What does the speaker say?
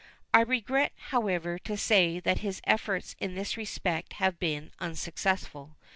I regret, however, to say that his efforts in this respect have been unsuccessful.